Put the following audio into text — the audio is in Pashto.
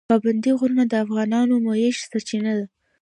پابندی غرونه د افغانانو د معیشت سرچینه ده.